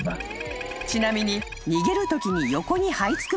［ちなみに逃げるときに］